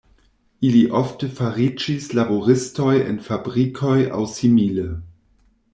Ili ofte fariĝis laboristoj en fabrikoj aŭ simile.